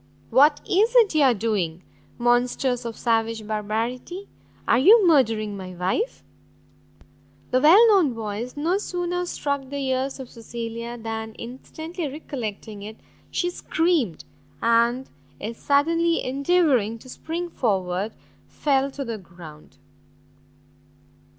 what is it you are doing? Monsters of savage barbarity, are you murdering my wife?" The well known voice no sooner struck the ears of Cecilia, than instantly recollecting it, she screamed, and, is suddenly endeavouring to spring forward, fell to the ground.